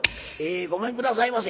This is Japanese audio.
「ごめんくださいませ。